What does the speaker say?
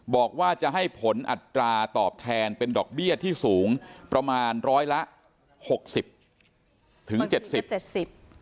บอกว่าจะให้ผลอัตราตอบแทนเป็นดอกเบี้ยที่สูงประมาณร้อยละหกสิบถึงเจ็ดสิบเจ็ดสิบ